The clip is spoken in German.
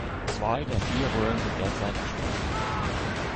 Zwei der vier Röhren sind derzeit gesperrt.